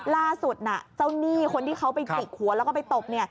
ล่าสุดเจ้าหนี้คนที่เขาไปจิกหัวแล้วก็ไปตบ